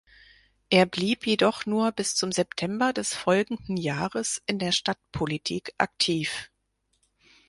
Er blieb jedoch nur bis zum September des folgenden Jahres in der Stadtpolitik aktiv.